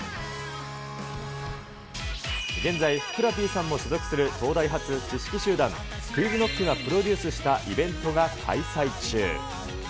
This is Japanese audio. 現在、ふくらＰさんも所属する東大発知識集団、ＱｕｉｚＫｎｏｃｋがプロデュースしたイベントが開催中。